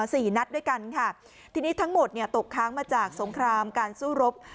สี่นัดด้วยกันค่ะทีนี้ทั้งหมดเนี่ยตกค้างมาจากสงครามการสู้รบ